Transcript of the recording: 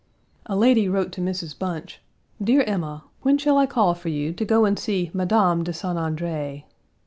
A lady wrote to Mrs. Bunch: "Dear Emma: When shall I call for you to go and see Madame de St. André?"